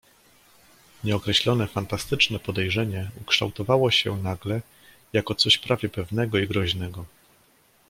"Nieokreślone, fantastyczne podejrzenie ukształtowało się nagle jako coś prawie pewnego i groźnego."